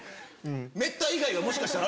めった以外がもしかしたら。